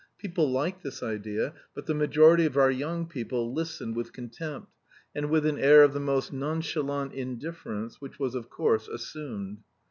People liked this idea, but the majority of our young people listened with contempt, and with an air of the most nonchalant indifference, which was, of course, assumed.